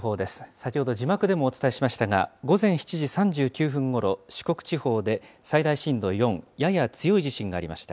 先ほど、字幕でもお伝えしましたが、午前７時３９分ごろ、四国地方で最大震度４、やや強い地震がありました。